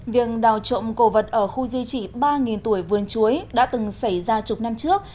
việc đào trộm cổ vật ở khu di trị ba tuổi vườn chuối đã từng xảy ra chục năm trước